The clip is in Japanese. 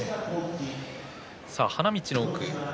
花道の奥。